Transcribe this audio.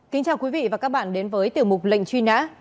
kính chào quý vị và các bạn đến với tiểu mục lệnh truy nã